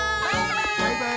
バイバーイ！